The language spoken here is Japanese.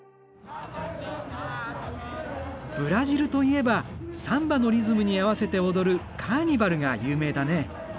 ブラジルといえばサンバのリズムに合わせて踊るカーニバルが有名だね。